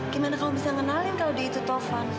gimana kamu bisa mengenalin kalau dia itu tovan